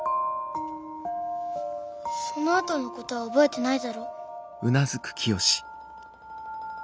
そのあとのことは覚えてないだろ？